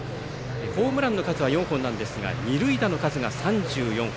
ホームランの数は４本ですが二塁打の数が３４本。